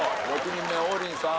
６人目王林さん